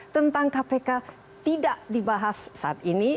tentang kpk tidak dibahas saat ini